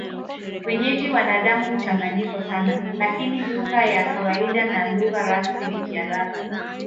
Wenyeji wana damu mchanganyiko sana, lakini lugha ya kawaida na lugha rasmi ni Kiarabu.